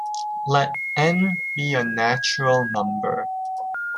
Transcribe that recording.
Let "n" be a natural number.